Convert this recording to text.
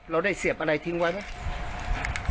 เราได้เสียบอะไรทิ้งไว้ไหม